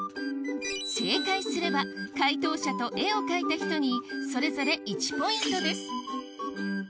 正解すれば解答者と絵を描いた人にそれぞれ１ポイントです